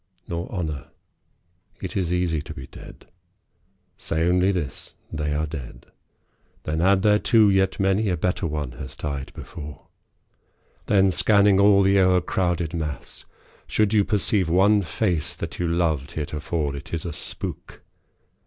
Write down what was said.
Nor honour. It is easy to be dead. Say only this, " They are dead." Then add thereto, " Yet many a better one has died before." Then, scanning all the o'ercrowded mass, should you Perceive one face that you loved heretofore, It is a spook.